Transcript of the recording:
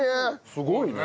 すごいね。